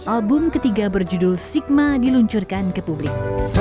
album ketiga berjudul sigma diluncurkan ke publik